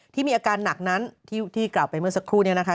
ที่มีอาการหนักนั้นที่กล่าวไปเมื่อสักครู่นี้นะคะ